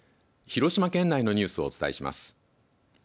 広島県内のニュースをお伝えします。